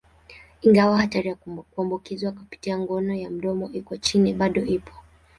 Ingawa hatari ya kuambukizwa kupitia ngono ya mdomoni iko chini, bado ipo.